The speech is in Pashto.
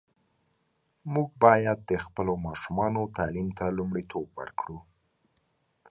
موږ باید د خپلو ماشومانو تعلیم ته لومړیتوب ورکړو.